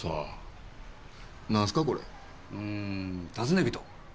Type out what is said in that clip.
うん尋ね人。